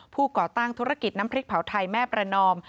ก่อตั้งธุรกิจน้ำพริกเผาไทยแม่ประนอม